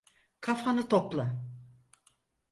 Kafanı topla.